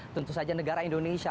tentu saja negara indonesia